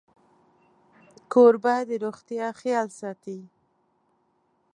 کوربه د روغتیا خیال ساتي.